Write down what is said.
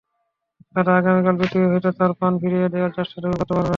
তাতে আগামীর পৃথিবী হয়তো তার প্রাণ ফিরিয়ে দেওয়ার চেষ্টাটুকু করতে পারবে।